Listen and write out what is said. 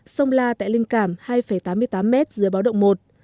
sông la tại linh cảm hai tám mươi tám m dưới báo động một